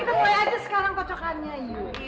tapi ada sekarang kocokannya yuk